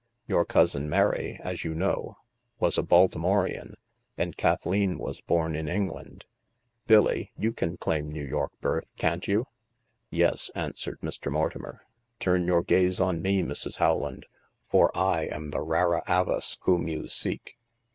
Your cousin Mary, as you know, was a Baltimorean, and Kathleen was born in England. Billy, you can claim New York birth, can't you ?"" Yes," answered Mr. Mortimer ;*' turn your gaze on me, Mrs. Howland, for I am the rara avis whom you seek."